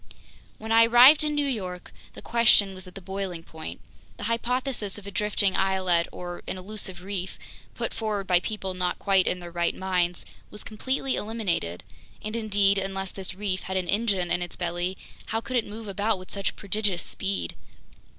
When I arrived in New York, the question was at the boiling point. The hypothesis of a drifting islet or an elusive reef, put forward by people not quite in their right minds, was completely eliminated. And indeed, unless this reef had an engine in its belly, how could it move about with such prodigious speed?